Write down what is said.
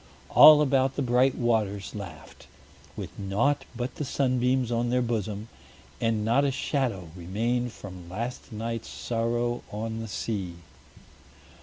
All about the bright waters laughed, with naught but the sunbeams on their bosom, and not a shadow remained from last night's sorrow on the sea.